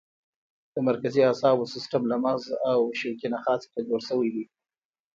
د مرکزي اعصابو سیستم له مغز او شوکي نخاع څخه جوړ شوی دی.